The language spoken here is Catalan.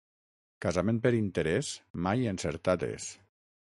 Casament per interès mai encertat és.